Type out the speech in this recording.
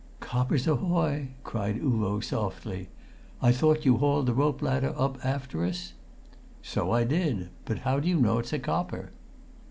"Coppers ahoy!" cried Uvo softly. "I thought you hauled the rope ladder up after us?" "So I did; but how do you know it's a copper?"